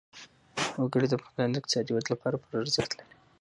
وګړي د افغانستان د اقتصادي ودې لپاره پوره ارزښت لري.